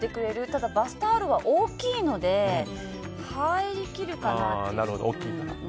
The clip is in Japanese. ただ、バスタオルは大きいので入りきるかなっていう。